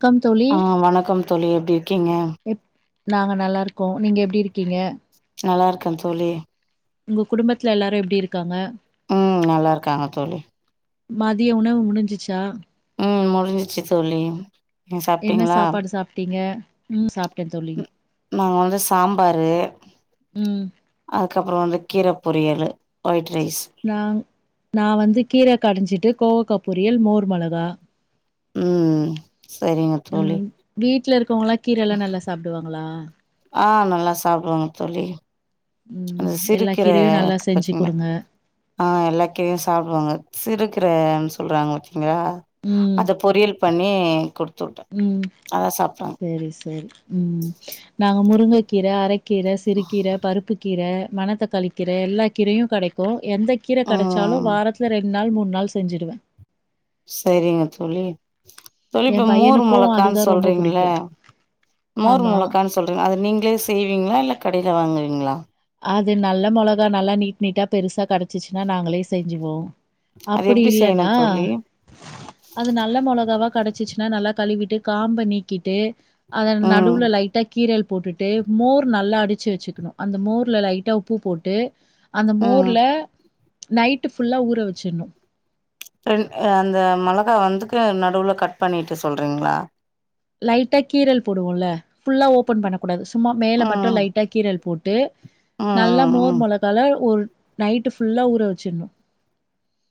க்கம் தோழி ஆ வணக்கம் தோழி எப்டி இரு க்கீங்க எப் நாங்க நல்லாருக்கோ நீங்க எப்டி இரு க்கீங்க? நல்லாருக்க தோழி உங்க குடும்பத்ல எல்லாரு எப்டி இருக்காங்க? ம் நல்லா இருக்காங்க தோழி. மதிய உணவு முடுஞ்சுச்சா? ம் முடிஞ்சிச்சு தோழி ம் என்ன சாப்டீங்களா சாப்பாடு சாப்ட்டீங்க ம் சாப்ட்டே தோழி நாங்க வந்து சாம்பாரு ம் அதுக்கப்றொ வந்து கீர பொரியலு ஒயிட் ரைஸ். நாங் நா வந்து கீர கடஞ்சிட்டு கோவக்கா பொரியல் மோர் மொளகா ம் ம் சரிங்க தோழி க்கவுங்களா கீரல்லா நல்லா சாப்டுவாங்களா? ஆ நல்லா சாப்டுவாங்க தோழி அ ம் எல்லா சிறுகீர கீரையு நல்லா இருக்கு செஞ்சு பாத்திங்ள குடுங்க ஆ எல்லா கீரையு சாப்டுவாங்க சிறு கீரன்‌ சொல்றாங்க பத்தி ங்ளா ம் அத பொரியல் பண்ணி குடு ம் சேரி சேரி ம் நாங்க முருங்கை கீர அரை கீர சிறுக்கீர பருப்புக் கீர மணத்தக்காளி கீர எல்லா கீரையு கடைக்கு எந்த கீர கடச்சாலு ம் வாரத்துல ரெ ண் நாள் மூண் நாள் செஞ்சுடுவே செரிங்க தோழி தோழி‌ எ இப்ப மோர் பையனுக்கு மொளக்கான் அதுதா ரொம்ப சொல்றீங்கள்ல புடிக்கு மோர் ஆமா மொளக்கான் சொல்றீங்க அத நீங்ளே செய்வீங்ளா இல்ல கடைல வாங்குவீங்ளா அது நல்ல மொளகா நல்லா நீட் நீட்டா பெருசா கடச்சிச்சுன்னா நாங்களே செஞ்சுவோ அது அப்புடி எப்டி செய்யணு இல்லன்னா தோழி அது நல்ல மொளகாவா கடச்சிச்சுன்னா நல்லா கழுவிட்டு காம்ப நீக்கிட்டு அத ம் நடுவுல லைட்டா கீரல் போட்டுட்டு மோர் நல்லா அடிச்சு வச்சுக்கணு அந்த மோர் ல லைட்டா உப்பு போட்டு அந்த ம் மோர்ல நைட்டு ஃபுல்லா ஊற வச்சிர்னு ரெண் அ அந்த மெளகா வந்துக்கு நடுவ்ல கட் பண்ணிட்டு சொல்றீங்ளா லைட்டா கீறல் போடுவோல்ல ஃபுல்லா ஓபன் பண்ண கூடாது சும்மா மேல மட்டு ம் லைட்டா கீறல் போட்டு ம் நல்லா மோர் ம் மொளகால ஒரு நைட்டு ஃபுல்லா ஊற வச்சுட்ணு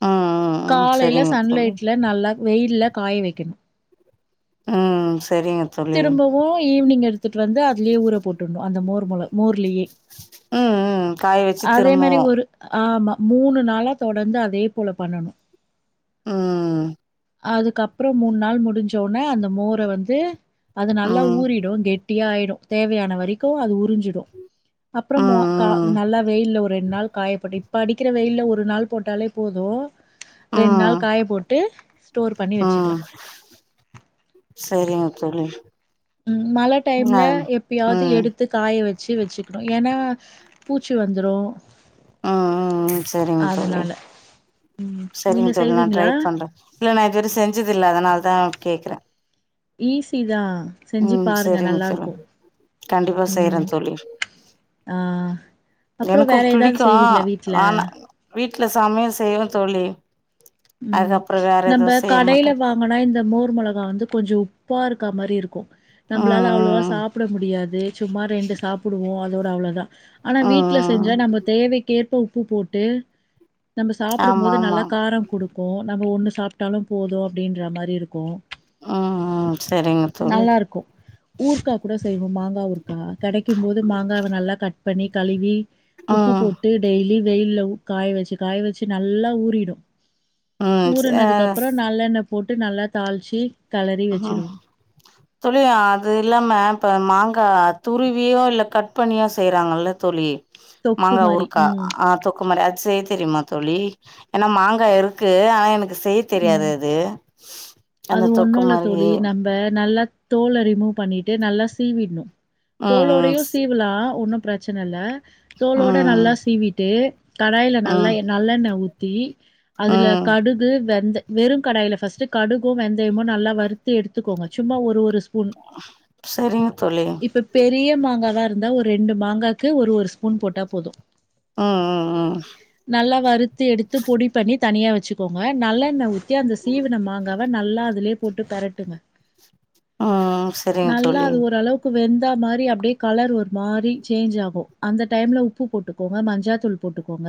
ம் ம் ம் காலைல சரிங்க தோழி சன்லைட்ல நல்லா வெயில்ல காய வக்கெணு ம் சரிங்க தோழி திரும்பவு ஈவ்னிங் எடு த்துட்டு வந்து அதுலயே ஊற போட்டுட்ணு அந்த மோர் மொள மோர்லயே ம் ம் காய வச்சு அதே மாரி திரும்பவு ஒரு ஆமா மூணு நாளா தொடந்து அதே போல பண்ணணு ம் அதுக்கப்றோ மூண் நாள் முடுஞ்சோன அந்த மோர வந்து அது நல்லா ம் ஊறிடு கெட்டியா ஆயிடு தேவையான வரைக்கு அது உறிஞ் சிடு அப்றமொ க ம் ம் நல்லா வெயில்ல ஒரு ரெண் நாள் காயப்போட்டு இப்ப அடிக்கிற வெயில்ல ஒரு நாள் போட்டாலே போது ரெண் ம் நாள் காய போட்டு ஸ்டோர் பண்ணி வச்சுக்கலாம். ம் செரிங்க தோழி ம் மழ டைம்ல ம் எப்பயாவுது ம் ம் எடுத்து காய வ ச்சு வச்சுக்கனு ஏனா பூச்சி வந்துரு ம் ம் ம் செரிங்க தோழி செரிங்க நீங்க தோழி நா ட்ரை செய்வீங்களா? பண்றே இல்ல நா இதுவர செஞ்சதுல்ல அதுனால் தா கேக்குறே ஈசிதா ம் செரிங்க தோழி கண்டிப்பா செய்றே ம். தோழி ஆ. அப்புறம் எனக்கு வேற ஏதாவது பிடிக்கு செய்வீங்களா வீட்ல? ஆனா வீட் ல சமைய செய்வ தோழி ம் அதுக்கப்றோ வேற நம்ப எதுவு செய்ய மாட்டே கடைல வாங்குனா இந்த மோர் மொளகா வந்து கொஞ்சொ உப்பா இருக் க மாரி இருக்கு நம்பளால அவ்ளவா ம் ம் சாப்ட முடியாது சும்மா ரெண்டு சாப்புடுவோ அதோட அவ்ளதா ஆனா வீட்ல ம் ம் செஞ்சா நம்ப தேவைக்கேற் ப உப்பு போட்டு நம்ம சாப்டும் ஆமா போது ஆமா நல்லா காரம் இருக்கு நம்ம ஒன்னு சாப்டாலு போது அப்டின்ற மாரி இருக்கு ஆ‌ ஆ சரிங்க தோழி ஊற்கா கூட செய்வோ மாங்கா ஊறு கா கடைக்கும் போது மாங்காவ நல்லா கட் பண்ணி கழுவி உப்பு ம் போட்டு டெய்லி வெயில்ல காய வச்சு காய வச்சு நல்லா ஊறிடு ம் ச ஊறுனதுக்கப்புறொ நல்லெண்ண போட்டு நல்லா தாள்ச்சி ஆ தோழி அது இல்லாம இப்ப மாங் கா துருவியோ இல்ல கட் பண்ணியோ செய்றாங்கள்ல தோழி தொக்கு மாங்கா மாரி ஊறுக்கா ம் ஆ தொக்கு மாரி அது செய்ய தெரிமா தோழி ஏனா மாங்கா இருக்கு ஆனா எனக் கு செய்ய தெரியாது ம் அது அந்த அது தொக் ஒண்ணு தோழி நம்ப நல்லா தோல ரிமூவ் பண்ணிட்டு நல்லா சீவிட்ணு ம் ம் தோலோடயு சீவுலா ஒன்னு பிரச்சனல்ல தோலோட ம் நல்லா சீவிட்டு கடாய்ல நல்லா ம் எ நல்லண்ண ஊ த்தி அதுல ம் கடுகு வெந்த வெறு கடாய்ல ஃபர்ஸ்ட்டு கடு கு வெந்தயமு நல்லா வறுத்து எடுத்துக்கோங்க சும்மா ஒரு ஒரு ஸ் பூன் சரிங்க தோழி இப்ப பெரிய மாங்காவா இருந்தா ஒரு ரெண்டு மாங்காக்கு ஒரு ஒரு ஸ்பூன் போட்டா போது ம் ம் நல்லா வறுத்து எடுத்து பொடி பண்ணி தனியா வச் சுக்கோங்க நல்லெண்ண ஊ த்தி அந்த சீவுன மாங் காவ நல்லா அதுலே போட்டு பெரட்டுங்க ம் ம் சரிங்க நல்லா தோழி அது ஓரளவுக்கு வெந் த மாரி அப்டியே கலர் ஒரு மாரி சேஞ்ச் ஆகு அந்த டைம்ல உப்பு போட்டுக்கோங்க மஞ்சாத்தூள் போட்டுக்கோங்க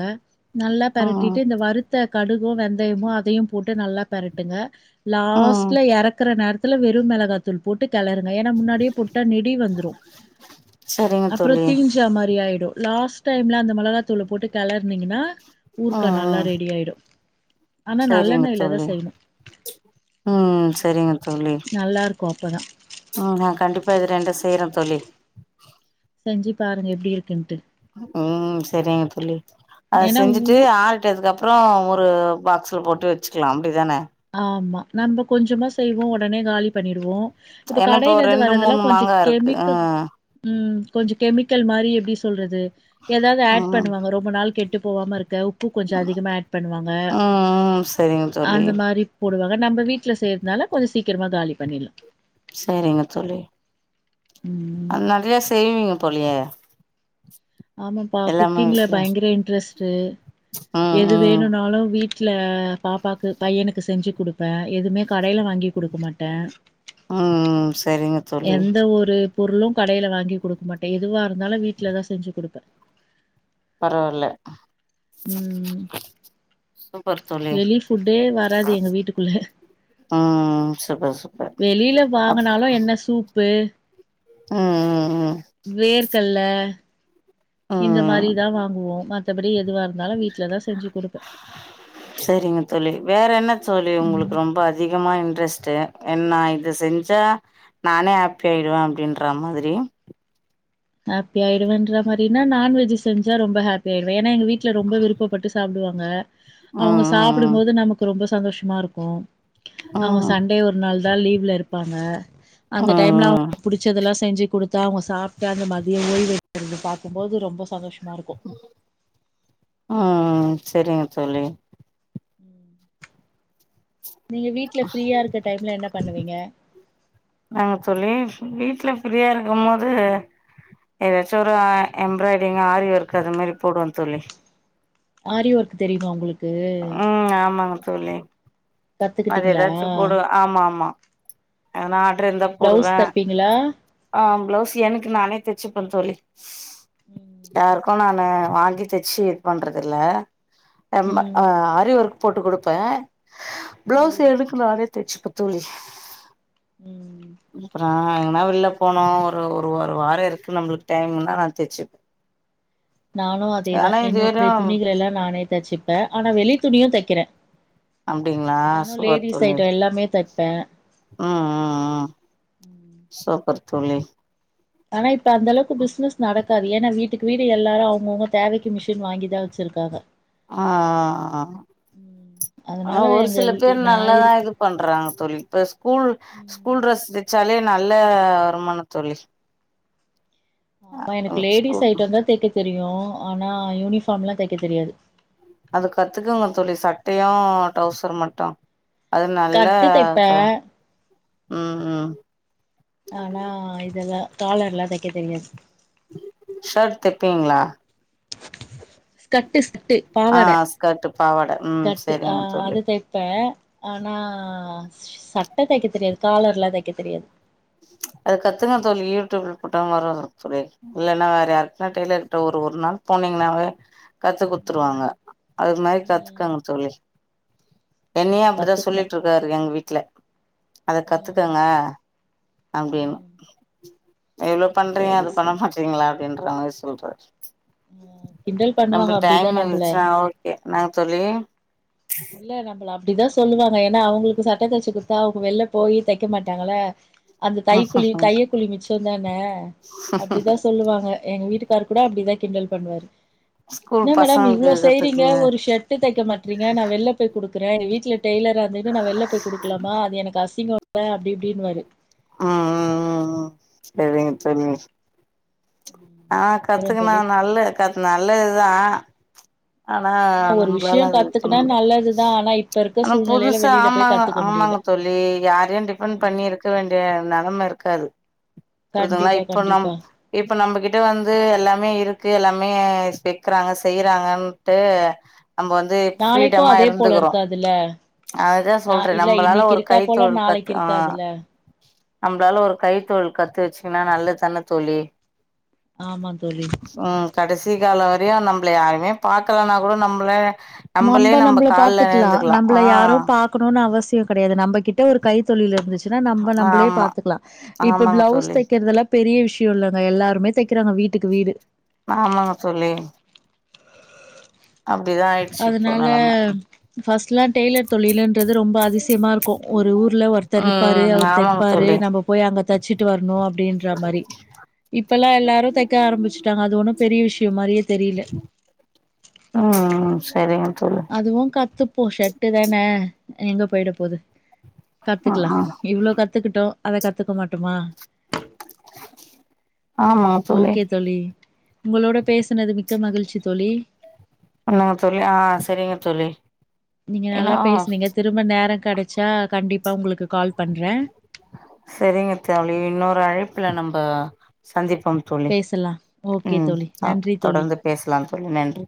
நல்லா ம் பெரட்டிட்டு இந்த வறுத்த கடுகு வெந்தயமு அதையு போட்டு நல்லா பெரட்டுங்க ம் லாஸ்ட்ல எறக்குற நேரத் துல வெறு மெளகாத்தூள் போட்டு கெளருங்க ஏன்னா முன்னாடியே போட்டா நெடி வந்துரு சரிங்க அப்றொ தோழி தீஞ்ச மாரி ஆயி டு லாஸ்ட் டைம்ல அந்த மெளகாத்தூள போட்டு கெளர்னீங்கன்னா ஊற்கா நல்லா ம் ம் ரெடி ஆயிடு ஆனா சரிங்க நல்லெண்ணய்ல தா தோழி செய்ணு ம் சரிங்க தோழி கு அப்பதா ம் ம் கண்டிப்பா இது ரெண்டு செய்றே தோழி செஞ்சு பாருங்க எப்டி இருக்குன்ட்டு ம் சரிங்க தோழி அத ஏன்னா செஞ்சுட்டு ஊ ஆறிட்டதுக்கப்றோ ஒ ரு பாக்ஸ்ல போட்டு வச்சுக்லா அப்டிதானெ ஆமா நம்ம கொஞ்சமா செய்வோ ஒடனே காலி பண்ணிடுவோ இப்ப ஏன்னா இப்போ ஒரு கடைலெந்து ரெண்டு வரதெல்லா மூணு கொஞ்ச மாங்கா இருக்கு ஆ கெமிக்கல் ம் கொஞ்ச கெமிக்கல் மாரி எப்டி சொல்றது எதாவ்து ஆட் ம் பண்ணுவாங்க ரொம்ப நாள் கெட்டு போவாம இருக்க உ ப்பு கொஞ்சொ அதிகமா ஆட் பண்ணுவாங்க ம் செரிங்க தோழி அந்த மாரி போடுவாங்க நம்ப வீட்ல செய்றதுனால கொஞ்ச சீக்கிரமா காலி பண்ணிட்லா சேரிங்க தோழி ம் அது நறைய செய்வீங்க போலியே ஆமப்பா எல்லாமே குக்கிங்ல வீட்ல பயங்கர இன்ட்ரெஸ்ட்டு ம் எது ம் வேணுன்னாலு வீட் ல பாப்பாக்கு பையனுக்கு செஞ்சு குடுப்பே எதுவ்மே கடைல வாங்கி குடுக்க மாட்டே ம் சரிங்க தோழி பொருளு கடைல வாங்கி குடுக் மாட்டே எதுவா இருந்தாலு வீட்ல தா செஞ்சு குடுப்ப பரவால்ல ம் சூப்பர் தோழி வெளி ஃபுட்டே வராது எங்க வீட்டுக்குள்ள ம் சூப்பர் சூப்பர் வெளில வாங்குனாலு என்ன சூப் பு ம் ம் ம் வேர்கல்ல ம் ம் த்தபடி எதுவா இருந்தாலு வீட்ல தா செரிங்க தோழி வேற என்ன தோழி ம். உங்களுக்கு ரொம்ப அதிகமா இன்ட்ரெஸ்ட் டு என்னா இது செஞ்சா நானே ஹாப்பி ஆயிடுவே அப்டின்ற மாதிரி ஹேப்பி ஆயிடுவேன்ற மாரினா நான்வெஜ்ஜு செஞ்சா ரொம்ப ஹேப்பி ஆயிடுவே எ னா எங்க வீட்ல ரொம்ப விருப்பட்டு சாப்டுவாங் க அவுங்க ம் ம் சாப்புடும்போது நமக்கு ரொம்ப சந்தோஷமாருக்கு அவுங்க ம் ம் சண்டே ஒரு நாள் தா லீவ்ல இருப்பா ந அந்த டைம்லா [inaudible] ம் புடுச்சதெல்லா செஞ்சு குடு தாகு சாப் ட்டு அந்த மதிய ஓய்வெடுக்குறத பாக்கும் போது ரொம்ப சந்தோஷ ம் செரிங்க தோழி ம் நீங்க வீட்ல ஃப்ரீயா இருக்க டைம்ல என்ன பண்ணுவீங்க? ஆமா தோழி வீட்ல ஃப்ரீயா இருக்கும்மோது எதாச்சு ஒரு எம்ப்ராய்ட்ரிங் ஆரி ஒர்க் அது மாரி போடுவ தோழி ஆரி ஒர்க்கு தெரியுமா உங்களுக் கு ம் ஆமாங்க தோழி அது எதாச்சு போடுவே ஆமா ஆமா எதுனா ஆட்ரு இருந்தா போடுவே பிளவுஸ் தப்பீங்களா ஆ பிளவுஸ் எனக்கு நானே தச்சுப்ப தோழி ம் கு நானு வாங்கி தச்சு இது பண்றதில்ல அம்ம ம் ஆ ஆரீ ஒர்க் போட்டு குடுப்பே பிளவுஸ் ம் எனக்கு நானே தச்சுப்பத் தோழி ம் அப்புறோ ஆ எங்கனா வெள்ல போனு ஒரு ஒரு ஒரு வார இருக்கு நம்மளுக் டைமுன்னா நா தச்சுப்பே நானு அதேதா ஆனா இது வெறு என்னுடைய துணிகளெல்லா நானே தச்சிப்பே ஆனா வெளி துணியு தக்கிறே அப்டிங்களா சூப்பர் தோழி ம் ஐட்டோ எல்லாமே தைப்பே ம் ம் சூப்பர் தோழி ஆனா இப் ப அந்தளவுக்கு பிசினஸ் நடக்காது ஏனா வீட் டுக்கு வீடு எல்லாரு அவுங்கவுங்க தேவக்கி மிஷின் வாங்கிதா வச்சிருக்காங்க ஆ ஆ ஆ ம் ஆனா அதனால ஒரு எங்க சில வீ பேர் நா நல்லாதா இருக்க இது பண்றாங்க தோழி இப்ப ஸ் கூல் ம் ஸ்கூல் ட்ரஸ் த ச்சாலே நல்ல வருமான தோழி ஆமா எனக்கு லேடிஸ் ஸ்கூல் ஐட்டொந்தா தக்க தெரியு ஆனா யூனிஃபார்ம்லா தக்க தெரியாது அது கத்துக்குங்க தோழி சட்டையு டவுசர் மட்டு அது நல்ல ஸ்கர்ட்டு தைப்பே ப ம் ம் ஆனா இதல்லா காலர்லா தக்க தெரியாது ஷர்ட் தப்பீங்ளா? ஸ்கட்டுஸ் ஆ ஸ்கட்டு பாவாட ம் ஸ்கர்ட்டு ஆ செரிங்க தோழி அது தைப்பே ஆனா சட்ட தக்க தெரியாது காலர்லா தக்க தெரியாது அது கத்துங்க தோழி யூடியூப்ல போட்டா வரு தோழி இல்லன்னா வேற யாருக்னா டெய்லர்ட ஒரு ஒரு நாள் போனீங்னாவே கத்து குத்துருவாங்க ம் அது மாரி ம் கத்துக்கங்க தோழி ஆ என்னியு அப்டிதா கத்துக்கணு சொல்லிட்ருக்காரு எங்க வீட்ல அத ம் கத்துக்கங்க அப்டினு ம் இவ்ளோ பண்றீங்க சரி அத பண்ண மாட்றீங்களா அப்டின்ற மாரி சொல்றாரு ம் கிண்டல் பண்ணுவாங்க அப்டிதா நம்பள இன்னாங்க தோழி இல்ல நம்ள அ ப்டிதா சொல்லுவாங்க ஏனா அவுங்களுக்கு சட்ட தச்சு குத்தா அவுங்க வெள்ல போயி தக்க மாட்டாங்கல அந்த தைகுலி‌ தைய கூலி மிச் சந்தா ன அப்டிதா சொல்லுவாங்க எங்க வீட்டுக் காருக்கூட அப்டிதா கிண்டல் பண்ணுவாரு ஸ்கூல் என்னா மேடம் பசங்களுக்கு இவ்ளோ செய்றீங்க கத்துக்குங்க ஒரு ஷர்ட்டு தெக்க மாட்றீங் க நா வெள்ல போயி குடுக் குறே வீட்ல டெய்லரா இருந்துட்டு நா வெள்ல போய் குடுக்கலாமா அது எனக்கு அசிங்கொ அப்டி இப்டின்னுவாரு ம் ம் ம் ம் செரிங்க தோழி ஆ அப்றோ கத்துக்கனா தோழி நல்ல கத் நல்லதுதா ஆனா ஆமா ஒரு விஷயோ நம்பளால அது பண்ண கத்துக்குனா முடியா நல்லதுதா ஆனா இப்ப இருக்க ஆனா சூழ்நிலையில புதுசா வெளியில போய் ஆமாங்க கத்துக்க முடியல ஆமாங்க தோழி யாரையு டிபெண்ட் ம் பண்ணி இருக்க வேண்டிய நெலம இருக் காரு புரிதுங்களா கண்டிப்பா இப்ப நம் கண்டிப்பா இப்ப நம்மகிட்ட வந்து எல்லாமே இருக்கு க்கு எல்லாமே வெக்குறாங்க செய்யுறாங்க ட்டு நம்ப வந்து நாளைக்கு ஃப்ரீடமா அதே போல இருந்துகுறோ இருக்காதுல்ல அதுதா நா சொல்றே இல்ல நம்மளால இன்னைக்கு ஒரு இருக்கா போல கைத்தொழில் நாளைக்கு கத்து ஆ இருக்காதுல்ல நம்பளால ஒரு கைத்தொழில் கத்து வச்சு ன்னா நல்லதுதான தோழி ஆமா தோழி அ கடைசி கால நம்மள யாருமே பார்க்கலனா கூட நம்மளே நம்ம நம்மள பாத்துக்கலா நம்மள ஆ யாரு பாக்கணும்னு அவசிய கெடையாது நம்ம கிட்ட ஒரு கை தொழில் இருந்துச்சு ஏன்னா நம்ம நம்மளே ஆமா பாத்துக்லா இப்ப ஆமாங்க பிளவுஸ் தோழி தைக்கிறதல்ல பெரிய விஷய வீட்ல உள்ளவுங்க எல்லாருமே தெக்குறாங்க வீட்டுக்கு வீடு ஆமாங்க தோழி அப்டிதா ஆயிடுச்சு இப்போ நெலம டலாம் டெய்லர் தொழிலுன்றது ரொம்ப அதிசயமா இருக்கு ஒரு ஊர்ல ஒருத்தர் இருப்பாரு ம் அவுரு ஆமாங்க தெப்பாரு தோழி நம்ம போய் அங்க தச்சிட்டு வரணு அப்டீன்ற மாரி இப்ப எல்லா எல்லாரு தக்க ஆரம்பிச்சுட்டாங்க அது ஒன்னு பெரிய விஷய மாரியே தெரியல உம் உம் செரிங்க அதுவும் கத்து ஓ ஷெட்டு தான எங்க போய்ட போது ம் கத்துக்லா ம் இவ்ளோ கத்துக்கிட்டோ அத கத்துக்க மாட்டோமா ஆமா தோழி உங்களோட பேசுனது மிக்க மகிழ்ச்சி தோழி என்னங்க தோழி ஆ செரிங்க தோழி நீங்க ஏன்னா நல்லா பேசுனீங்க திரும்ப நேரம் கெடச்சா கண்டிப்பா உங்களுக்கு கால் பண்றே செரிங்க தோழி இன்னொரு அழைப்ல நம்ப சந்திப்போம் தோழி பேசலா ஓகே உம் தோழி சாப்டு நன்றி தோழி தொடர்ந்து பேசலாம் தோழி நன்றி